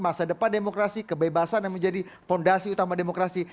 masa depan demokrasi kebebasan yang menjadi fondasi utama demokrasi